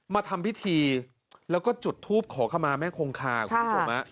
มาทำพิธีแล้วก็จุดทูปขอเข้ามาแม่คงคาของผม